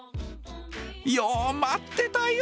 「よお待ってたよ！